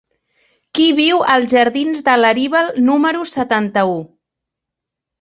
Qui viu als jardins de Laribal número setanta-u?